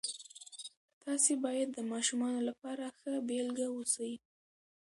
تاسې باید د ماشومانو لپاره ښه بیلګه اوسئ.